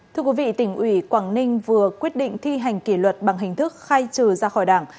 thưa quý vị tỉnh ủy quảng ninh vừa quyết định thi hành kỷ luật bằng hình thức khai trừ ra khỏi đảng